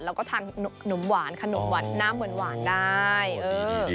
เราก็ทานหนมหวานขนมหวานน้ำเหมือนหวานได้